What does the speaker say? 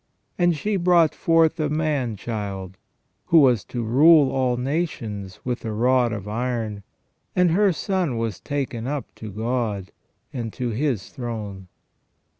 And she brought forth a man child, who was to rule all nations with a rod of iron : and her Son was taken up to God, and to His throne."